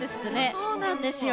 そうなんですよ。